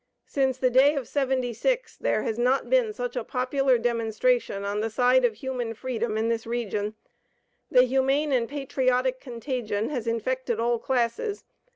Since the day of '76, there has not been such a popular demonstration on the side of human freedom in this region. The humane and patriotic contagion has infected all classes.